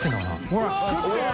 ほら作ってるよ！